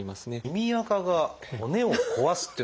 耳あかが骨を壊すっていう